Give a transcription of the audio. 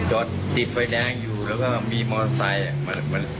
จอดติดไฟแดงอยู่แล้วก็มีมอเตอร์ไซค์